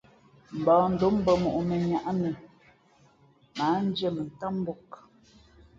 Mbᾱᾱndǒm mbᾱ mǒʼ mēnniáʼ nə mα ǎ ndiē mά ntám mbōk.